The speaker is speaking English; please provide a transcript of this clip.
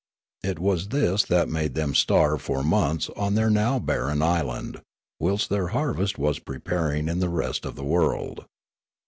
It was this that made them starve for months on their now barren island, whilst their harvest was preparing in the rest of the world.